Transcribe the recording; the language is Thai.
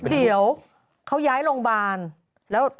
เดี๋ยวเขาย้ายโรงพยาบาลแล้ว